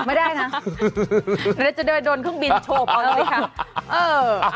ไม่ได้นะเดี๋ยวจะเดินโดนเครื่องบินโฉบเอาเลยค่ะ